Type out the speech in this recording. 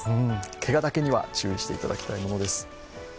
けがだけには注意していただきたいものです。